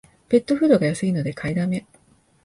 ペットフードが安いので買いだめ